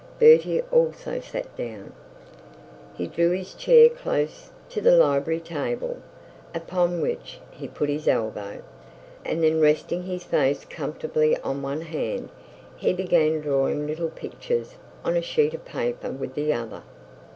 Bertie also sat down. He drew his chair close to the library table, upon which he put his elbow, and then resting his face comfortably on one hand, he began drawing little pictures on a sheet of paper with the other.